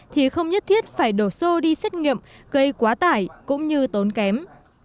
thì không nhất thiết phải đổ xô đi xét nghiệm gây quá tải cũng như tốn kém